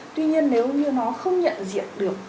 tuy nhiên nếu như nó không nhận diện được